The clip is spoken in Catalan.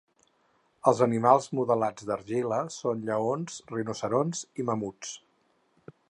Els animals modelats d'argila són lleons, rinoceronts i mamuts.